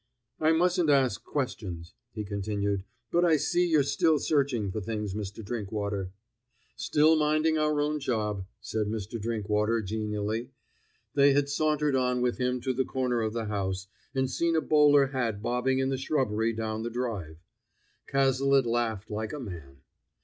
"I mustn't ask questions," he continued, "but I see you're still searching for things, Mr. Drinkwater." "Still minding our own job," said Mr. Drinkwater genially. They had sauntered on with him to the corner of the house, and seen a bowler hat bobbing in the shrubbery down the drive. Cazalet laughed like a man.